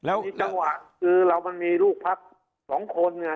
แล้วมีจังหวะคือเรามันมีลูกพักสองคนไง